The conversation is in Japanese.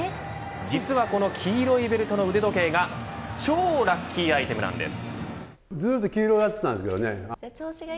実はこの黄色いベルトの腕時計が超ラッキーアイテムなんです。